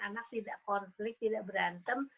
anak tidak konflik tidak berantem